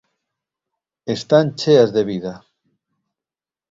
Están cheas de vida.